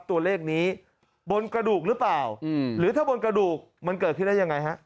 ตัวเลขนี้บนกระดูกหรือเปล่าหรือถ้าบนกระดูกมันเกิดขึ้นได้ยังไงฮะ